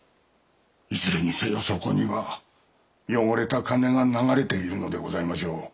いずれにせよそこには汚れた金が流れているのでございましょう。